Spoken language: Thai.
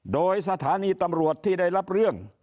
โดยสถานีตำรวจที่ได้รับเรื่อง